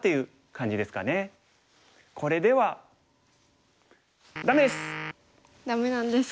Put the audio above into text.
これではダメです！